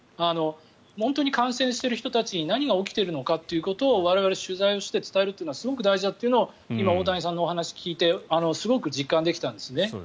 本当に感染している人たちに何が起きているかというのを我々、取材をして伝えるというのはすごく大事だというのを今、大谷先生のお話を聞いてすごく実感できたんですね。